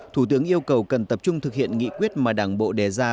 thủ tướng yêu cầu cần tập trung thực hiện nghị quyết mà đảng bộ đề ra